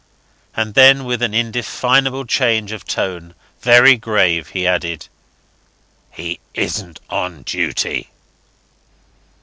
And then, with an indefinable change of tone, very grave, he added, "He isn't on duty."